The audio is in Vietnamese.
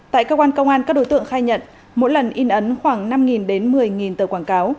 tại cơ quan công an các đối tượng khai nhận mỗi lần in ấn khoảng năm đến một mươi tờ quảng cáo